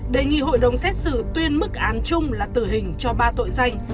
đề nghị hội đồng xét xử tuyên mức án chung là tử hình cho ba tội danh